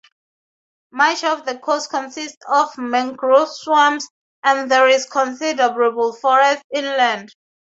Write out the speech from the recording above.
Much of the coast consists of mangrove swamps, and there is considerable forest inland.